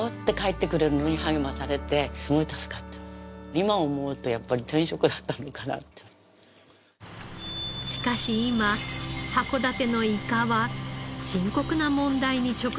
今思うとやっぱりしかし今函館のイカは深刻な問題に直面しています。